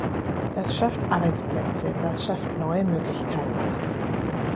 Das schafft Arbeitsplätze, das schafft neue Möglichkeiten!